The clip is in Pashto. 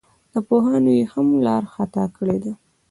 له پوهانو یې هم لار خطا کړې ده.